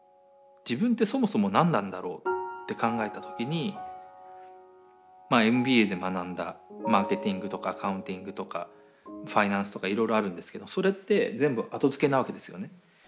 自分ってそもそも何なんだろうって考えた時にＭＢＡで学んだマーケティングとかアカウンティングとかファイナンスとかいろいろあるんですけどそれって全部後付けなわけですよね。